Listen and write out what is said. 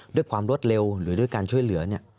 ด้วยความรวดเร็วหรือด้วยการช่วยเหลือ